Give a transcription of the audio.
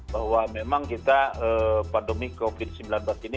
bahwa memang kita pandemi covid sembilan belas ini